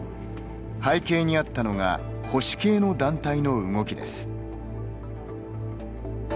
背景にあったのが保守系の団体の動きです。